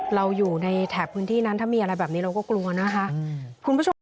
เราอยู่ในแถบพื้นที่นั้นถ้ามีอะไรแบบนี้เราก็กลัวนะคะคุณผู้ชม